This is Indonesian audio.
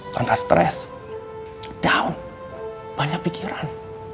tante stress down banyak pikiran